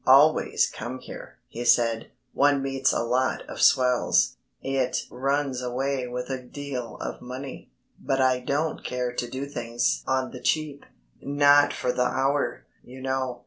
"Always come here," he said; "one meets a lot of swells. It runs away with a deal of money but I don't care to do things on the cheap, not for the Hour, you know.